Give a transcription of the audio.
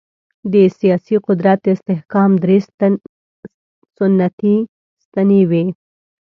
د سیاسي قدرت د استحکام درې سنتي ستنې وې.